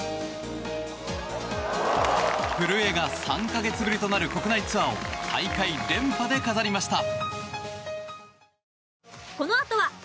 古江が３か月ぶりとなる国内ツアーを大会連覇で飾りました。